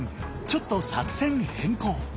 ちょっと作戦変更。